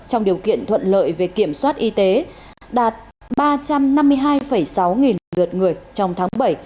trong điều kiện thuận lợi về kiểm soát y tế đạt ba trăm năm mươi hai sáu nghìn lượt người trong tháng bảy